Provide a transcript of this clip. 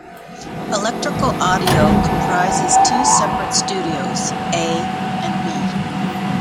Electrical Audio comprises two separate studios, A and B.